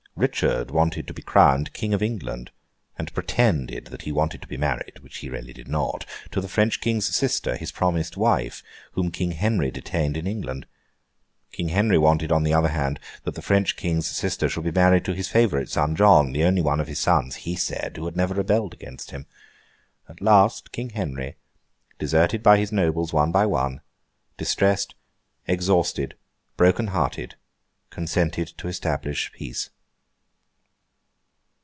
Richard wanted to be Crowned King of England, and pretended that he wanted to be married (which he really did not) to the French King's sister, his promised wife, whom King Henry detained in England. King Henry wanted, on the other hand, that the French King's sister should be married to his favourite son, John: the only one of his sons (he said) who had never rebelled against him. At last King Henry, deserted by his nobles one by one, distressed, exhausted, broken hearted, consented to establish peace.